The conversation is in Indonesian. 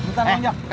ntar pak ojak